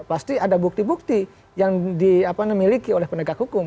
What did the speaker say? pasti ada bukti bukti yang dimiliki oleh penegak hukum